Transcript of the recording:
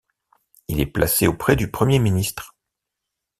Il est placé auprès du Premier ministre.